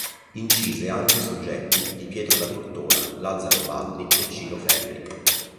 Incise anche soggetti di Pietro da Cortona, Lazzaro Baldi e Ciro Ferri.